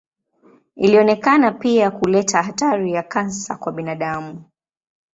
Ilionekana pia kuleta hatari ya kansa kwa binadamu.